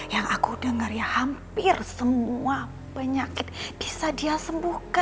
yang aku dengar ya hampir semua penyakit bisa dia sembuhkan